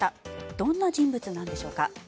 どんな人物なんでしょうか。